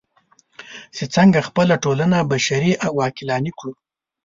چې څنګه خپله ټولنه بشري او عقلاني کړو.